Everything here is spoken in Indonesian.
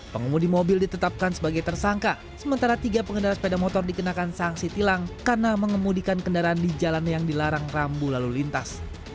pengemudi mobil ditetapkan sebagai tersangka sementara tiga pengendara sepeda motor dikenakan sanksi tilang karena mengemudikan kendaraan di jalan yang dilarang rambu lalu lintas